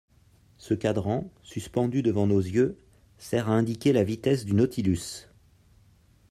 Ce cadran, suspendu devant nos yeux, sert à indiquer la vitesse du Nautilus.